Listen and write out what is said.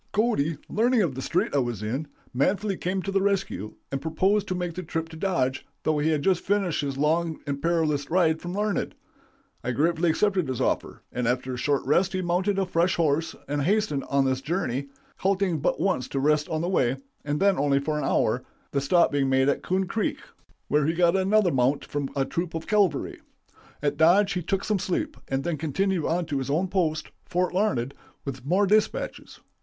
Cody, learning of the strait I was in, manfully came to the rescue, and proposed to make the trip to Dodge, though he had just finished his long and perilous ride from Larned. I gratefully accepted his offer, and after a short rest he mounted a fresh horse and hastened on his journey, halting but once to rest on the way, and then only for an hour, the stop being made at Coon Creek, where he got another mount from a troop of cavalry. At Dodge he took some sleep, and then continued on to his own post Fort Larned with more dispatches.